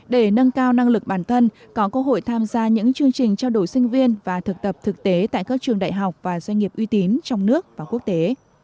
để nâng cao năng lực bản thân có cơ hội tham gia những chương trình trao đổi sinh viên và thực tập thực tế tại các trường đại học và doanh nghiệp uy tín trong nước và quốc tế